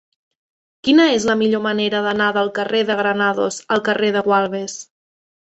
Quina és la millor manera d'anar del carrer de Granados al carrer de Gualbes?